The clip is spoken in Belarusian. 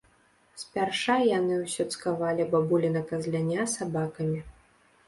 Спярша яны ўсё цкавалі бабуліна казляня сабакамі.